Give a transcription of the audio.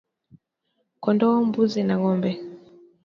Kondoo mbuzi na ngombe